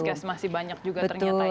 oh disgas masih banyak juga ternyata ya